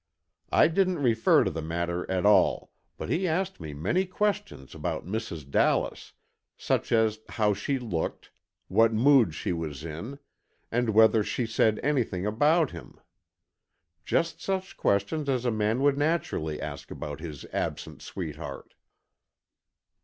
I didn't refer to the matter at all, but he asked me many questions about Mrs. Dallas, such as how she looked, what mood she was in and whether she said anything about him. Just such questions as a man would naturally ask about his absent sweetheart."